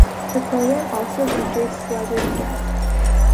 The program also features celebrity guests.